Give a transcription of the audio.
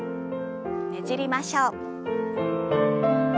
ねじりましょう。